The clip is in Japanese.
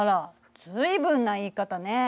随分な言い方ね。